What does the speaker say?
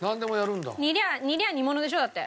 煮りゃあ煮りゃあ煮物でしょ？だって。